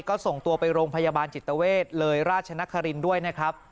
ก็ส่งตัวไปโรงพยาบาลจิตเวทเลยราชนครินทร์ด้วยนะครับ